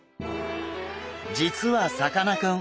実はさかなクン